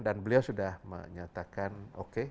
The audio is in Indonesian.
beliau sudah menyatakan oke